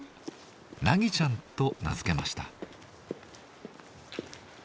凪ちゃんと名付けました。